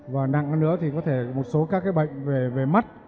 và nặng hơn nữa thì có thể một số các cái bệnh về mắt